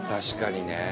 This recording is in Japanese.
確かにね。